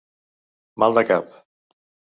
Mal de cap.